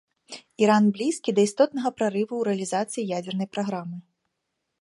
Іран блізкі да істотнага прарыву ў рэалізацыі ядзернай праграмы.